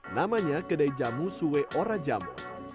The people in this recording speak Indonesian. namanya kedai jamu suwe ora jamu